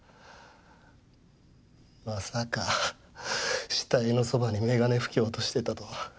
まさか死体のそばに眼鏡拭きを落としてたとは。